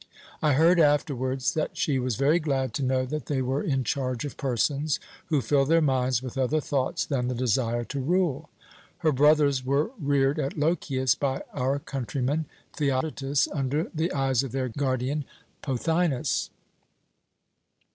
I heard afterwards that she was very glad to know that they were in charge of persons who filled their minds with other thoughts than the desire to rule. Her brothers were reared at Lochias by our countryman Theodotus, under the eyes of their guardian, Pothinus.